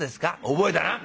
「覚えたな。